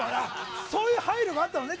そういう配慮があったのね。